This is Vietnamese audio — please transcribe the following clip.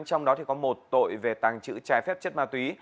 trong đó có một tội về tàng trữ trái phép chất ma túy